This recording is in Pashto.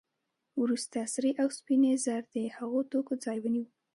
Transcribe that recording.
وروسته سرې او سپینې زر د هغو توکو ځای ونیو